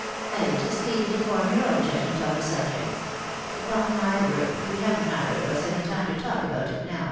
I will just leave you to form your own judg ment on the subject ; upon my word, we have neither of us any time to talk about it now